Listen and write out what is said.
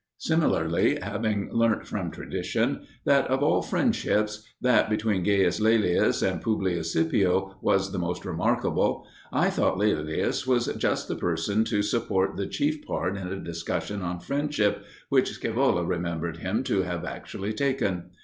Similarly, having learnt from tradition that of all friendships that between Gaius Laelius and Publius Scipio was the most remarkable, I thought Laelius was just the person to support the chief part in a discussion on friendship which Scaevola remembered him to have actually taken.